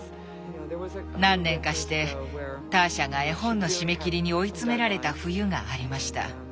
何年かしてターシャが絵本の締め切りに追い詰められた冬がありました。